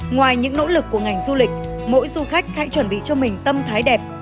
ngoài những nỗ lực của ngành du lịch mỗi du khách hãy chuẩn bị cho mình tâm thái đẹp